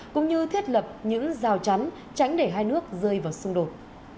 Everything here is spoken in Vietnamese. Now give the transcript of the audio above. cũng như thiết lập những rào chắn tránh để hai nước rơi vào xung đột